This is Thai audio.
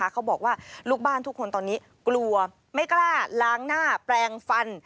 เขาบอกว่าลูกบ้านทุกคนตอนนี้กลัวไม่กล้าล้างหน้าแปลงฟัน